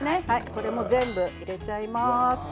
これも全部、入れちゃいます。